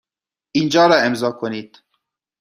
اینجا را امضا کنید.